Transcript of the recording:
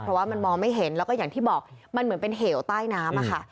เพราะว่ามันมองไม่เห็นแล้วก็อย่างที่บอกมันเหมือนเป็นเหวใต้น้ำอะค่ะ